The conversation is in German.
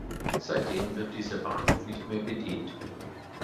Seitdem wird dieser Bahnhof nicht mehr bedient.